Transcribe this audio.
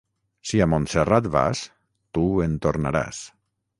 Si a Montserrat vas, tu en tornaràs.